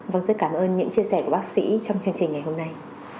vâng rất cảm ơn những chia sẻ của bác sĩ trong chương trình ngày hôm nay